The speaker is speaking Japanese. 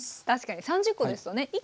確かに３０コですとね